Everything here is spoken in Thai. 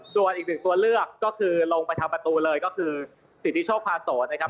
ส่วนอีกหนึ่งตัวเลือกก็คือลงไปทำประตูเลยก็คือสิทธิโชคพาโสนะครับ